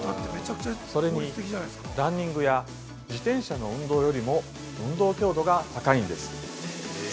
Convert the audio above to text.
それに、ランニングや自転車の運動よりも運動強度が高いんです。